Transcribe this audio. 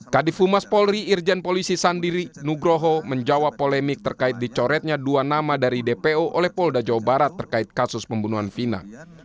kadif humas polri irjen polisi sandi nugroho menjawab polemik terkait dicoretnya dua nama dari dpo oleh polda jawa barat terkait kasus pembunuhan vina